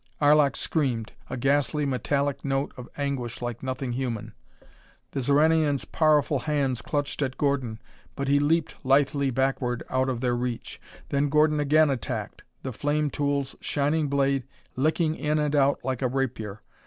Arlok screamed, a ghastly metallic note of anguish like nothing human. The Xoranian's powerful hands clutched at Gordon, but he leaped lithely backward out of their reach. Then Gordon again attacked, the flame tool's shining blade licking in and out like a rapier.